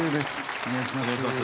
お願いします。